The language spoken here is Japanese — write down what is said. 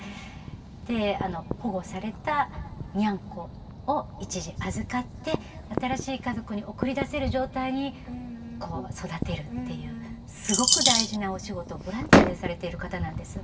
で保護されたにゃんこを一時預かって新しい家族に送り出せる状態にこう育てるっていうすごく大事なお仕事をボランティアでされている方なんです。